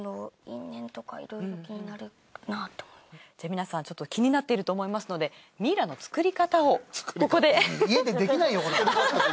皆さんちょっと気になっていると思いますのでミイラの作り方をここで。